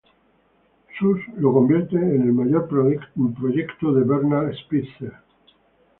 Sus lo convierten en el mayor proyecto de Bernard Spitzer.